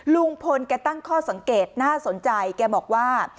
ลุงพลแกตั้งข้อสังเกตน่าสนใจแกบอกว่า